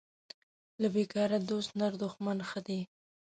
له بیکاره دوست نر دښمن ښه دی